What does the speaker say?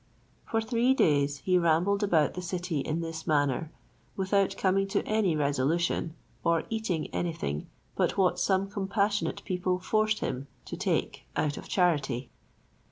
For three days he rambled about the city in this manner, without coming to any resolution, or eating anything but what some compassionate people forced him to take out of charity.